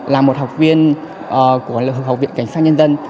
là một học viên của học viện cảnh sát nhân dân